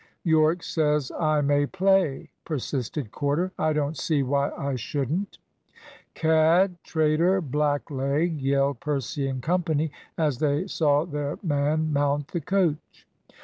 "Yorke says I may play," persisted Corder; "I don't see why I shouldn't." "Cad! traitor! blackleg!" yelled Percy and Co., as they saw their man mount the coach.